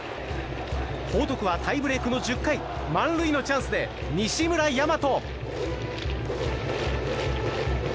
報徳はタイブレークの１０回満塁のチャンスで西村大和。